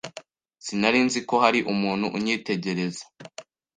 Sinari nzi ko hari umuntu unyitegereza.